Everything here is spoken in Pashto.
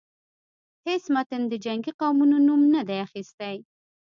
هیڅ متن د جنګی قومونو نوم نه دی اخیستی.